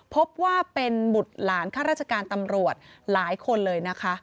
พบว่าเป็นบุตรหลานข้าราชการตำรวจหลายคนเลยนะคะ